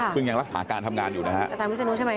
ซึ่งยังรักษาการทำงานอยู่นะครับ